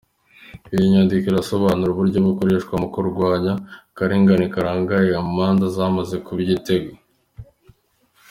Iyi nyandiko irasobanura uburyo bukoreshwa mu kurwanya akarengane kagaragaye mu manza zamaze kuba itegeko.